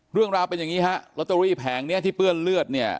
เรื่องราวเป็นอย่างนี้ฮะลอตเตอรี่แผงนี้ที่เปื้อนเลือดเนี่ย